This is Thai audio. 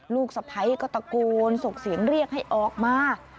ลูกสะพ้ายก็ตะโกนส่งเสียงเรียกให้ออกมา